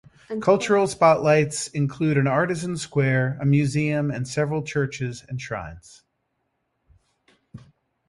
Cultural spotlights include an Artisans' Square, a museum, and several churches and shrines.